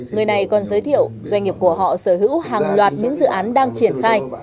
người này còn giới thiệu doanh nghiệp của họ sở hữu hàng loạt những dự án đang triển khai